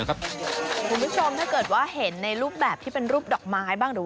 คุณผู้ชมถ้าเห็นในรูปแบบดอกไม้บ้าง